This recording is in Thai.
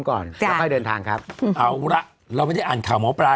ก่อนแล้วค่อยเดินทางครับเอาละเราไม่ได้อ่านข่าวหมอปลา